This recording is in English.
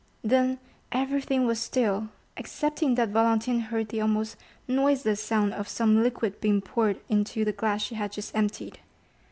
Then everything was still, excepting that Valentine heard the almost noiseless sound of some liquid being poured into the glass she had just emptied.